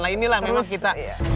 nah inilah memang kita